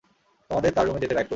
তোমাদের তার রুমে যেতে গাইড করব।